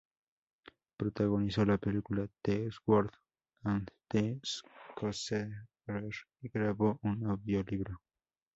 Protagonizó la película "The Sword and the Sorcerer" y grabó un audiolibro.